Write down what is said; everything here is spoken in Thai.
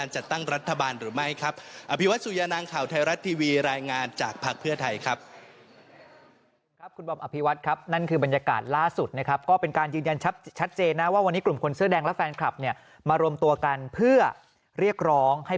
จะร่วมกับพักก้าวไกลในการจัดตั้งรัฐบาลหรือไม่ครับ